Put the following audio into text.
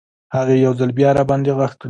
هغې یو ځل بیا راباندې غږ کړل.